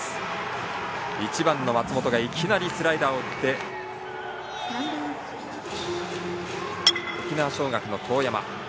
１番の松本がいきなりスライダーを打って沖縄尚学は當山。